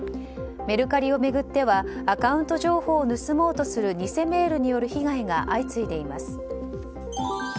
メルカリを巡ってはアカウント情報を盗もうとする偽メールによる被害が相次いでいます。